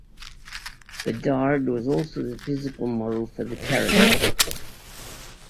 Bedard was also the physical model for the character.